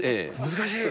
難しい。